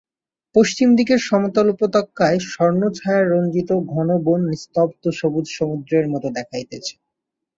পশ্চিম দিকের সমতল উপত্যকায় স্বর্ণচ্ছায়ায় রঞ্জিত ঘন বন নিস্তব্ধ সবুজ সমুদ্রের মতো দেখাইতেছে।